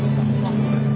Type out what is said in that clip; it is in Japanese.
そうです。